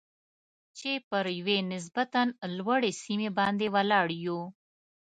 چې پر یوې نسبتاً لوړې سیمې باندې ولاړ یو.